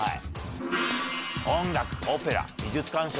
音楽、オペラ、美術鑑賞。